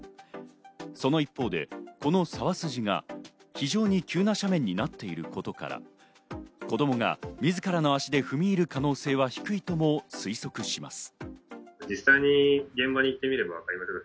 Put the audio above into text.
その一方で、この沢筋が非常に急な斜面になっていることから、子供が自らの足で踏みいる可能性は低いとも推測しています。